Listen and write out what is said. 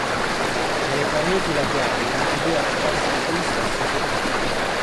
Nelle pareti laterali altri due affreschi con gli stessi soggetti.